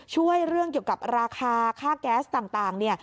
ช่วยเรื่องเกี่ยวกับราคาค่าแก๊สต่าง